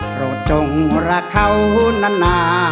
โปรดจงรักเขานา